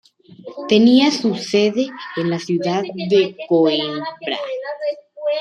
Tenía su sede en la ciudad de Coímbra.